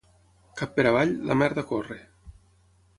Cap per avall, la merda corre.